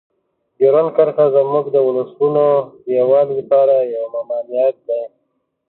ډیورنډ کرښه زموږ د ولسونو د یووالي لپاره یوه ممانعت ده.